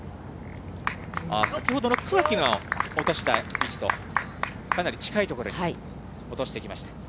先ほどの桑木が落とした位置と、かなり近い所に落としてきました。